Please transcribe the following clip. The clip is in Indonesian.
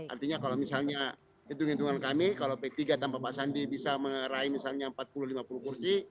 artinya kalau misalnya hitung hitungan kami kalau p tiga tanpa pak sandi bisa meraih misalnya empat puluh lima puluh kursi